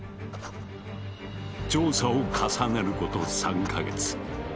調査を重ねること３か月。